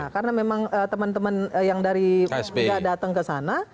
karena memang teman teman yang tidak datang ke sana